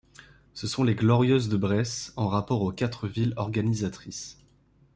Ce sont les Glorieuses de Bresse, en rapport aux quatre villes organisatrices.